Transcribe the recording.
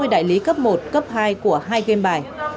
một trăm sáu mươi đại lý cấp một cấp hai của hai game bài